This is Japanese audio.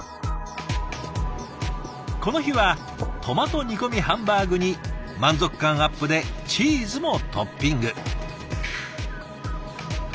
この日はトマト煮込みハンバーグに満足感アップでチーズもトッピング。